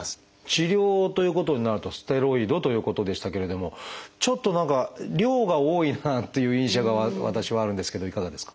治療ということになるとステロイドということでしたけれどもちょっと何か量が多いななんていう印象が私はあるんですけどいかがですか？